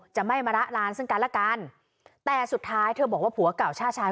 จะไม่มาระลานซึ่งกันละกันแต่สุดท้ายเธอบอกว่าผัวเก่าชาติชาย